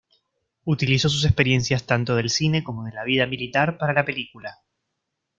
Utilizó sus experiencias tanto del cine como de la vida militar para la película.